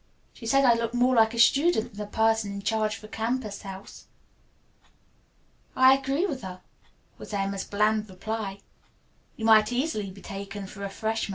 She said I looked more like a student than a person in charge of a campus house." "I agree with her," was Emma's bland reply. "You might easily be taken for a freshman."